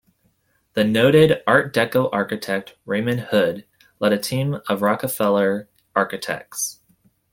The noted Art Deco architect Raymond Hood led a team of Rockefeller architects.